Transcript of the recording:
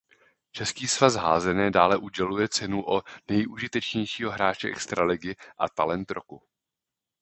Český svaz házené dále uděluje cenu o "Nejužitečnějšího hráče extraligy" a "Talent roku".